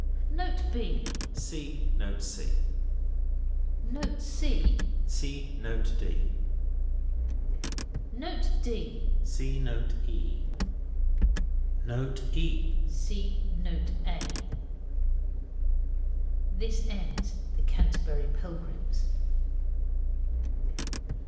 Note B. (See Note C.) Note C. (See Note D.) Note D. (See Note E.) Note E. (See Note A.) This ends the Canterbury Pilgrims.